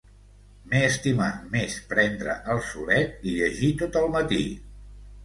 M'he estimat més prendre el solet i llegir tot el matí.